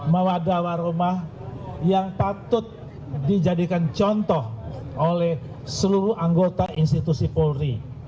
mawadah waromah yang patut dijadikan contoh oleh seluruh anggota institusi polri